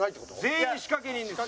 全員仕掛人ですよ。